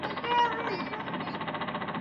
Ana akili nyingi.